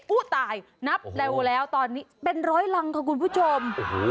ผู้ตายนับเร็วแล้วตอนนี้เป็นร้อยรังค่ะคุณผู้ชม